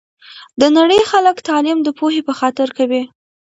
د نړۍ خلګ تعلیم د پوهي په خاطر کوي